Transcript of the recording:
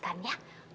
jagain dia dulu ya